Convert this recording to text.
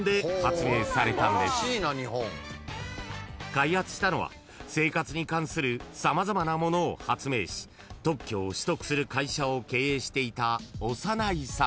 ［開発したのは生活に関する様々なものを発明し特許を取得する会社を経営していた長内さん］